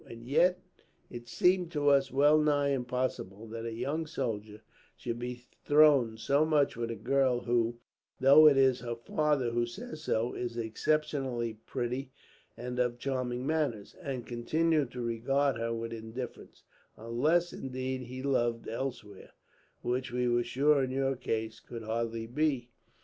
And yet, it seemed to us well nigh impossible that a young soldier should be thrown so much with a girl who, though it is her father who says so, is exceptionally pretty and of charming manners, and continue to regard her with indifference; unless, indeed, he loved elsewhere, which we were sure in your case could hardly be.